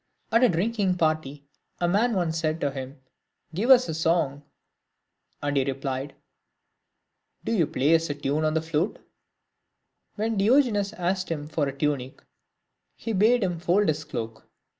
At a drinking party, a man once said to him, " Give us a song," and he replied, " Do you play us a tune on the flute." When Diogenes asked him for a tunic, he bade him fold his cloak.